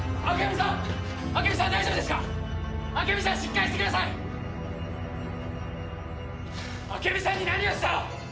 朱美さんに何をした！？